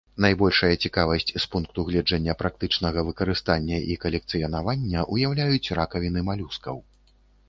Найбольшая цікавасць з пункту гледжання практычнага выкарыстання і калекцыянавання ўяўляюць ракавіны малюскаў.